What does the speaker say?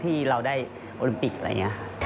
ที่เราได้โอลิมปิกอะไรอย่างนี้ค่ะ